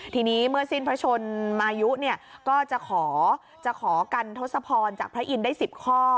ทีนี้เมื่อสิ้นพระชนมายุเนี่ยก็จะขอกันทศพรจากพระอินทร์ได้๑๐ข้อ